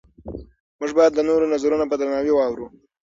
موږ باید د نورو نظرونه په درناوي واورو